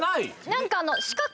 何か。